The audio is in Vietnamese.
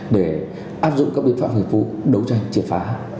để áp dụng các biện pháp nghiệp vụ đấu tranh triệt phá